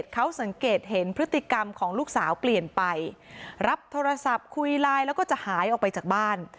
เขาสังเกตเห็นพฤติกรรมของลูกสาวเปลี่ยนไปรับโทรศัพท์คุยไลน์แล้วก็จะหายออกไปจากบ้าน